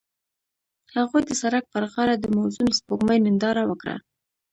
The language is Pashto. هغوی د سړک پر غاړه د موزون سپوږمۍ ننداره وکړه.